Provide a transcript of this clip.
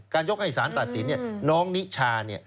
การยกให้ศาลตัดสินน้องนิชา